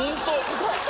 すごい。